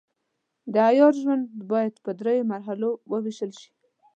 د عیار ژوند باید پر دریو مرحلو وویشل شي.